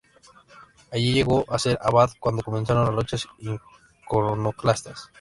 Allí llegó a ser abad cuando comenzaron las luchas iconoclastas.